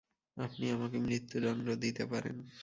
আপনি আমাকে মৃত্যুদণ্ড দিতে পারেন।